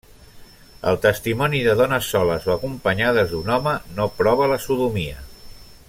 El testimoni de dones soles o acompanyades d'un home no prova la sodomia.